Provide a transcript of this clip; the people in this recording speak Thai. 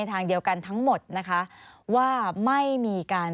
สนุนโดยน้ำดื่มสิง